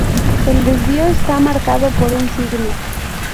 El desvío está marcado por un signo.